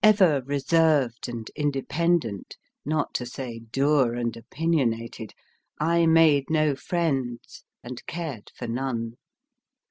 286 MY FIRST BOOK reserved and independent, not to say dour and opinionated, I made no friends, and cared for none.